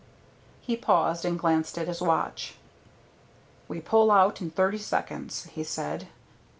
He paused and glanced at his watch. "We pull out in thirty seconds," he said.